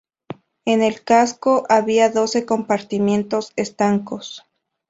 En el casco había doce compartimentos estancos.